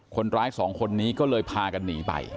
คนร้ายสองคนนี้ก็เลยพากันหนีไป